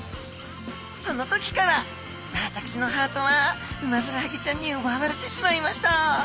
その時から私のハートはウマヅラハギちゃんにうばわれてしまいました。